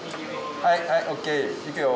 はいはいＯＫいくよ